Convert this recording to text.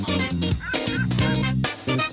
ครับผม